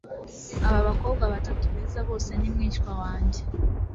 Aba bakobwa batatu beza bose ni mwishywa wanjye.